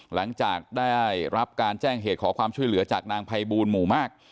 หลังจากได้รับการแจ้งเหตุขอความช่วยเหลือจากนางภัยบูลหมู่มาก